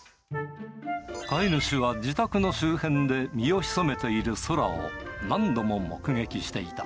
飼い主は自宅の周辺で身を潜めている宙を何度も目撃していた。